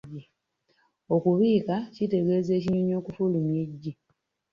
Okubiika kitegeeza ekinyonyi okufulumya eggi.